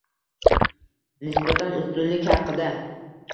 Nisbatan ustunlik haqida -